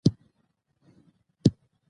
او ځوانان يې په جوش نه وى راوستي.